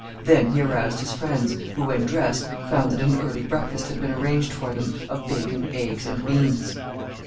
Then he aroused his friends, who, when dressed, found that an early breakfast had been arranged for them of bacon, eggs, and beans.